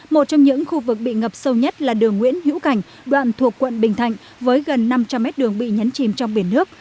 một trong những khu vực bị ngập sâu nhất là đường nguyễn hữu cảnh đoạn thuộc quận bình thạnh với gần năm trăm linh mét đường bị nhấn chìm trong biển nước